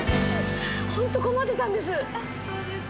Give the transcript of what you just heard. ホント困ってたんです。